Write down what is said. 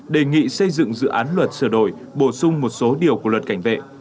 đề nghị xây dựng dự án luật sửa đổi bổ sung một số điều của luật cảnh vệ